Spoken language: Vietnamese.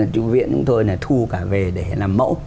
chủ viện cũng thôi là thu cả về để làm mẫu